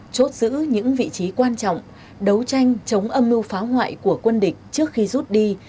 chốt giữ những vị trí quan trọng đấu tranh chống âm mưu phá hoại của quân địch trước khi rút đi